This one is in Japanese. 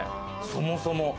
そもそも。